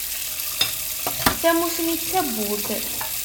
Tamussni d tawwurt.